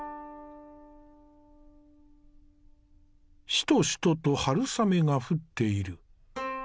しとしとと春雨が降っている。